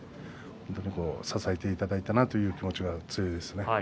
本当に支えていただいたなという気持ちが強いですね。